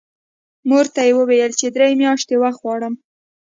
مور ته یې وویل چې درې میاشتې وخت غواړم